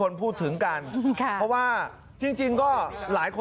รถตรงชอบ